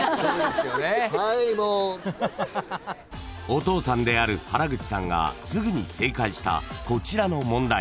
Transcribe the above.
［お父さんである原口さんがすぐに正解したこちらの問題］